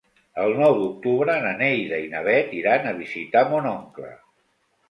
El nou d'octubre na Neida i na Bet iran a visitar mon oncle.